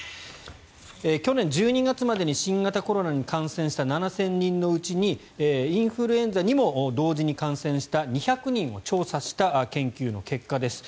去年１２月までに新型コロナに感染した７０００人のうちにインフルエンザにも同時に感染した２００人を調査した研究の結果です。